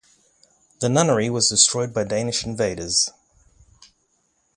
The nunnery was destroyed by Danish invaders.